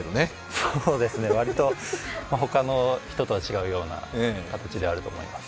そうですね、わりと他の人とは違う形であるとは思います。